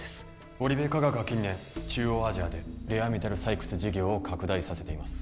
オリベ化学は近年中央アジアでレアメタル採掘事業を拡大させています